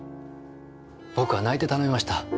僕は泣いて頼みました。